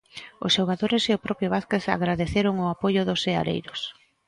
Os xogadores e o propio Vázquez agradeceron o apoio dos seareiros.